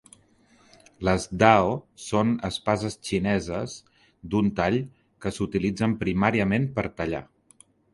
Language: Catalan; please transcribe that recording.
Les Dao són espases xineses d'un tall que s'utilitzen primàriament per tallar.